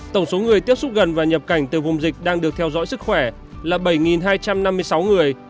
tổng số người tiếp xúc gần và nhập cảnh từ vùng dịch đang được theo dõi sức khỏe là bảy hai trăm năm mươi sáu người